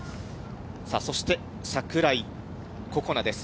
さあそして、櫻井心那です。